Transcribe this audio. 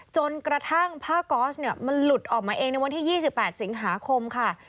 จนกระทั่งผ้าก๊อสเนี่ยมันหลุดออกมาเองในวันที่๒๘สิงหาคมค่ะ